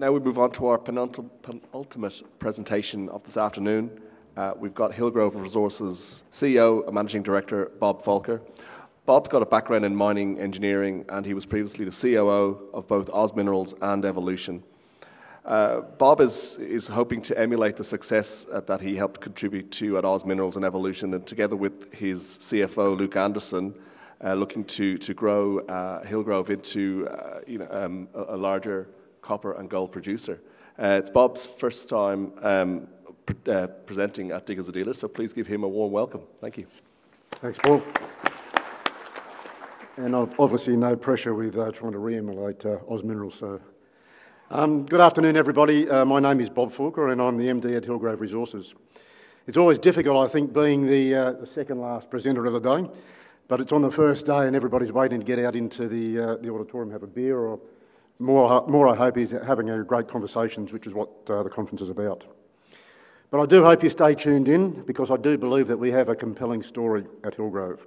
Now we move on to our penultimate presentation of this afternoon. We've got Hillgrove Resources CEO and Managing Director Bob Fulker. Bob's got a background in mining engineering, and he was previously the COO of both OZ Minerals and Evolution Mining. Bob is hoping to emulate the success that he helped contribute to at OZ Minerals and Evolution Mining, and together with his CFO, Luke Anderson, looking to grow Hillgrove into a larger copper and gold producer. It's Bob's first time presenting at Diggers & Dealers, so please give him a warm welcome. Thank you. Thanks, Bob. Obviously, no pressure with trying to re-emulate OZ Minerals. Good afternoon, everybody. My name is Bob Fulker, and I'm the MD at Hillgrove Resources. It's always difficult, I think, being the second last presenter of the day, but it's on the first day, and everybody's waiting to get out into the auditorium, have a beer, or more, I hope, is having great conversations, which is what the conference is about. I do hope you stay tuned in because I do believe that we have a compelling story at Hillgrove.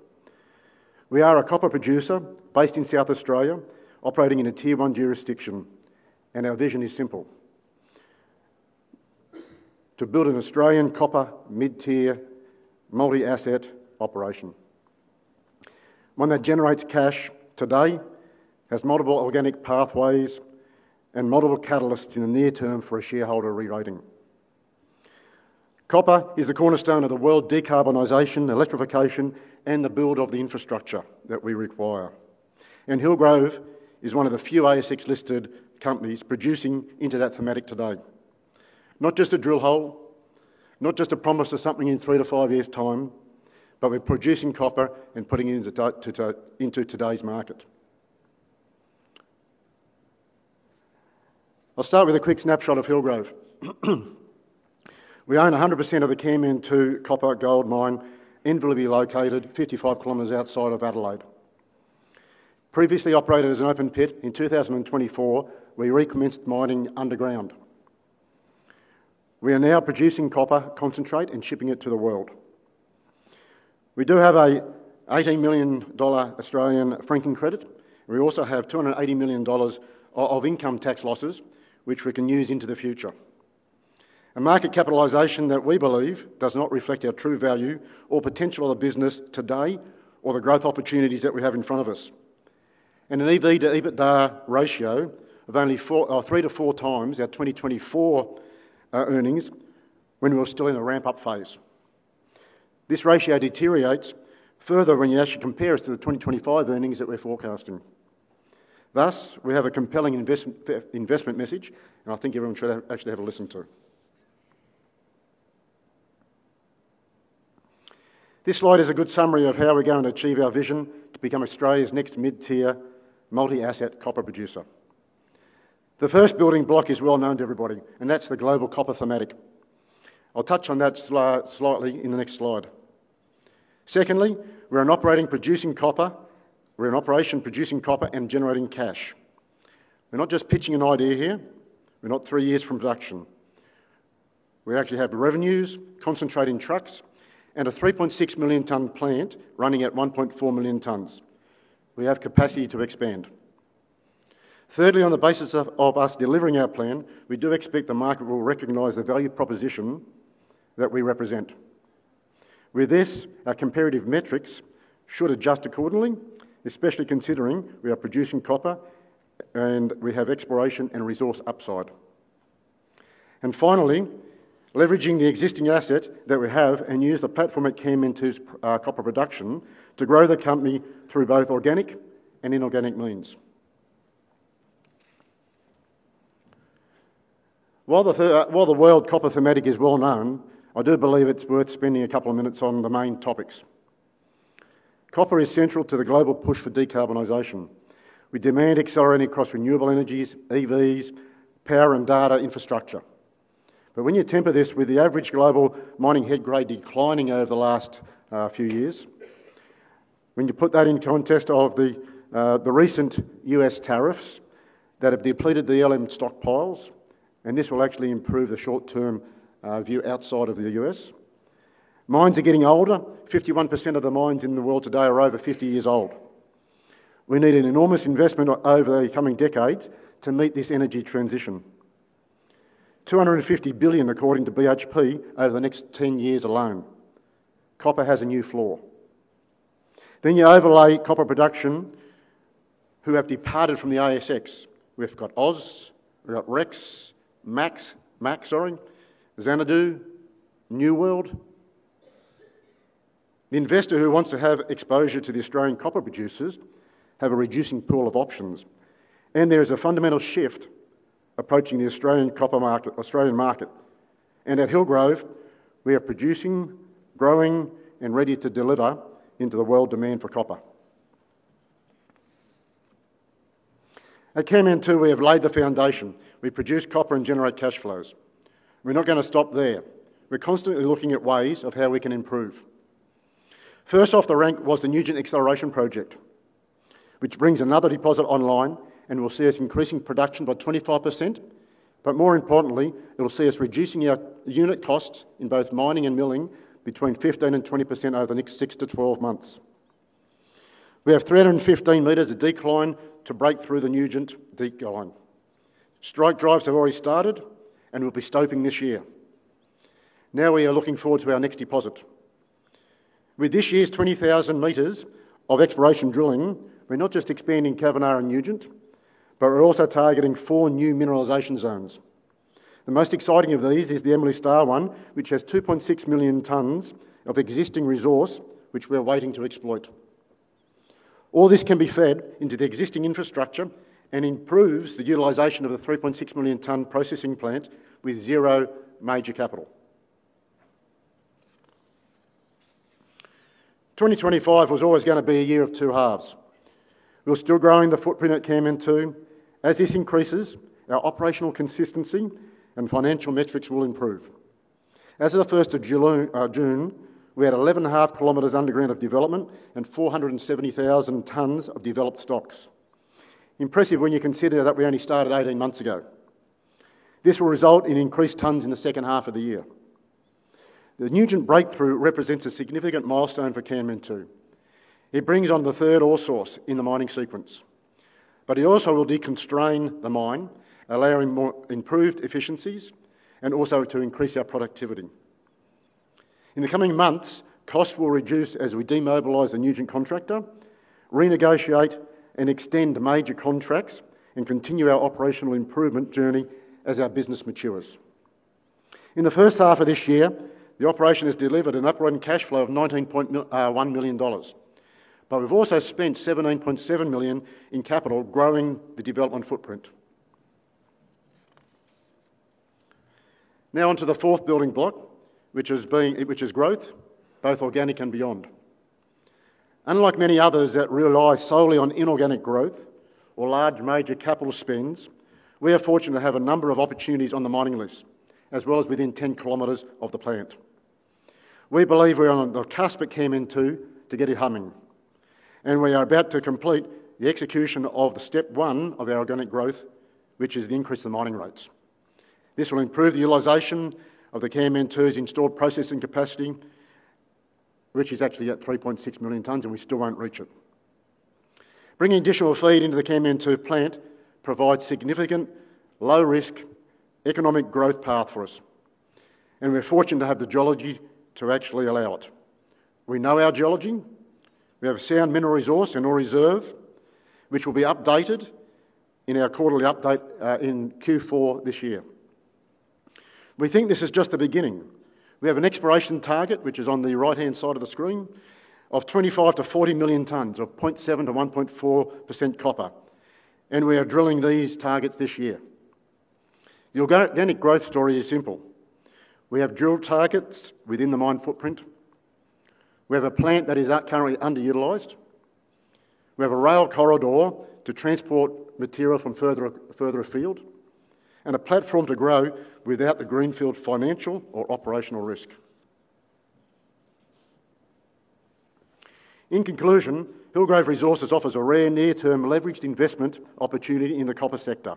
We are a copper producer based in South Australia, operating in a Tier 1 jurisdiction, and our vision is simple – to build an Australian copper mid-tier multi-asset operation. One that generates cash today, has multiple organic pathways, and multiple catalysts in the near term for a shareholder re-rating. Copper is the cornerstone of the world decarbonization, electrification, and the build of the infrastructure that we require. Hillgrove is one of the few ASX-listed companies producing into that thematic today. Not just a drill hole, not just a promise of something in three to five years' time, but we're producing copper and putting it into today's market. I'll start with a quick snapshot of Hillgrove. We own 100% of the KEMIN II copper gold mine, invariably located 55 km outside of Adelaide. Previously operated as an open pit, in 2024, we recommenced mining underground. We are now producing copper concentrate and shipping it to the world. We do have an $18 million Australian franking credit. We also have $280 million of income tax losses, which we can use into the future. A market capitalization that we believe does not reflect our true value or potential of the business today or the growth opportunities that we have in front of us. An EV to EBITDA ratio of only three to four times our 2024 earnings when we're still in the ramp-up phase. This ratio deteriorates further when you actually compare us to the 2025 earnings that we're forecasting. Thus, we have a compelling investment message that I think everyone should actually have a listen to. This slide is a good summary of how we're going to achieve our vision to become Australia's next mid-tier multi-asset copper producer. The first building block is well known to everybody, and that's the global copper thematic. I'll touch on that slightly in the next slide. Secondly, we're an operating producing copper. We're in operation producing copper and generating cash. We're not just pitching an idea here. We're not three years from production. We actually have revenues concentrated in trucks and a $3.6 million-ton plant running at 1.4 million tonnes. We have capacity to expand. Thirdly, on the basis of us delivering our plan, we do expect the market will recognize the value proposition that we represent. With this, our comparative metrics should adjust accordingly, especially considering we are producing copper and we have exploration and resource upside. Finally, leveraging the existing asset that we have and using the platform at KEMIN II's copper production to grow the company through both organic and inorganic means. While the world copper thematic is well known, I do believe it's worth spending a couple of minutes on the main topics. Copper is central to the global push for decarbonization. We demand accelerated cross-renewable energies, EVs, power, and data infrastructure. When you temper this with the average global mining head grade declining over the last few years, and when you put that in context of the recent U.S. tariffs that have depleted the LME stockpiles, this will actually improve the short-term view outside of the U.S. Mines are getting older. 51% of the mines in the world today are over 50 years old. We need an enormous investment over the coming decades to meet this energy transition. $250 billion, according to BHP, over the next 10 years alone. Copper has a new floor. Overlay copper production companies who have departed from the ASX. We've got OZ, we've got Rex, MAX, sorry, Xanadu, New World. The investor who wants to have exposure to the Australian copper producers has a reducing pool of options. There is a fundamental shift approaching the Australian copper market. At Hillgrove, we are producing, growing, and ready to deliver into the world demand for copper. At KEMIN II, we have laid the foundation. We produce copper and generate cash flows. We're not going to stop there. We're constantly looking at ways of how we can improve. First off the rank was the Nugent acceleration initiative, which brings another deposit online and will see us increasing production by 25%. More importantly, it will see us reducing our unit costs in both mining and milling between 15% and 20% over the next 6-12 months. We have 315 meters of decline to break through the Nugent deep going. Strike drives have already started, and we'll be stoking this year. Now we are looking forward to our next deposit. With this year's 20,000 meters of exploration drilling, we're not just expanding Kavanagh and Nugent, but we're also targeting four new mineralization zones. The most exciting of these is the Emily Star one, which has 2.6 million tonnes of existing resource, which we're waiting to exploit. All this can be fed into the existing infrastructure and improves the utilization of the 3.6 million-tonne processing plant with zero major capital. 2025 was always going to be a year of two halves. We're still growing the footprint at KEMIN II. As this increases, our operational consistency and financial metrics will improve. As of the 1st of June, we had 11.5 km underground of development and 470,000 tonnes of developed stocks. Impressive when you consider that we only started 18 months ago. This will result in increased tonnes in the second half of the year. The Nugent breakthrough represents a significant milestone for KEMIN II. It brings on the third ore source in the mining sequence. It also will deconstrain the mine, allowing more improved efficiencies and also to increase our productivity. In the coming months, costs will reduce as we demobilize the Nugent contractor, renegotiate and extend major contracts, and continue our operational improvement journey as our business matures. In the first half of this year, the operation has delivered an operating cash flow of $19.1 million. We've also spent $17.7 million in capital growing the development footprint. Now onto the fourth building block, which is growth, both organic and beyond. Unlike many others that rely solely on inorganic growth or large major capital spends, we are fortunate to have a number of opportunities on the mining list, as well as within 10 kilometers of the plant. We believe we're on the cusp of KEMIN II to get it humming. We are about to complete the execution of the step one of our organic growth, which is the increase in mining rates. This will improve the utilization of the KEMIN II's installed processing capacity, which is actually at 3.6 million tonnes, and we still won't reach it. Bringing additional feed into the KEMIN II plant provides significant, low-risk economic growth path for us. We're fortunate to have the geology to actually allow it. We know our geology. We have a sound mineral resource and ore reserve, which will be updated in our quarterly update in Q4 this year. We think this is just the beginning. We have an exploration target, which is on the right-hand side of the screen, of 25 million-40 million tonnes of 0.7%-1.4% copper. We are drilling these targets this year. The organic growth story is simple. We have drill targets within the mine footprint. We have a plant that is currently underutilized. We have a rail corridor to transport material from further afield and a platform to grow without the greenfield financial or operational risk. In conclusion, Hillgrove Resources offers a rare near-term leveraged investment opportunity in the copper sector.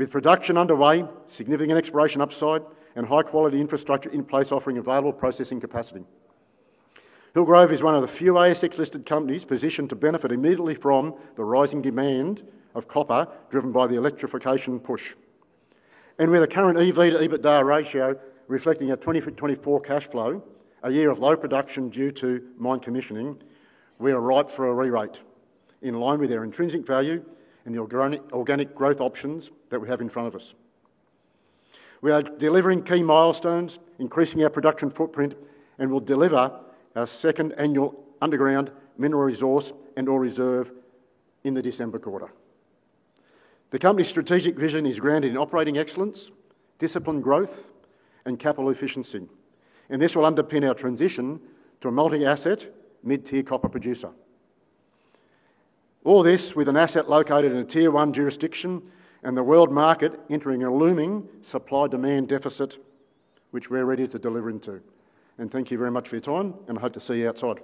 With production underway, significant exploration upside, and high-quality infrastructure in place offering available processing capacity, Hillgrove is one of the few ASX-listed companies positioned to benefit immediately from the rising demand of copper driven by the electrification push. With a current EV to EBITDA ratio reflecting our 2024 cash flow, a year of low production due to mine commissioning, we are ripe for a re-rate, in line with our intrinsic value and the organic growth options that we have in front of us. We are delivering key milestones, increasing our production footprint, and will deliver our second annual underground mineral resource and ore reserve in the December quarter. The company's strategic vision is grounded in operating excellence, disciplined growth, and capital efficiency. This will underpin our transition to a multi-asset mid-tier copper producer. All this with an asset located in a Tier 1 jurisdiction and the world market entering a looming supply-demand deficit, which we're ready to deliver into. Thank you very much for your time, and I hope to see you outside.